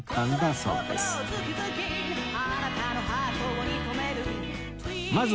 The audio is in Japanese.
そうですね。